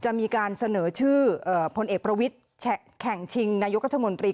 จะมีการเสนอชื่อพลเอกประวิทย์แข่งชิงนายกรัฐมนตรี